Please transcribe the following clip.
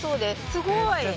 すごーい。